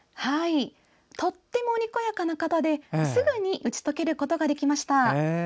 とてもにこやかな方ですぐに打ち解けることができました。